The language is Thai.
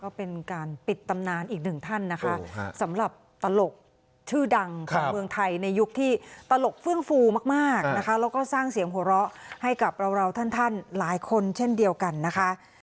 ก็เป็นการปิดตำนานอีกหนึ่งท่านนะคะสำหรับตลกชื่อดังของเมืองไทยในยุคที่ตลกเฟื่องฟูมากนะคะแล้วก็สร้างเสียงหัวเราะให้กับเราท่านหลายคนเช่นเดียวกันนะคะ